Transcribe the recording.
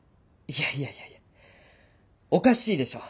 いやいやいやおかしいでしょ。